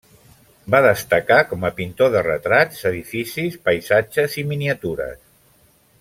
Va destacar com a pintor de retrats, edificis, paisatges i miniatures.